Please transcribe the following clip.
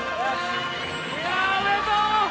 いやおめでとう！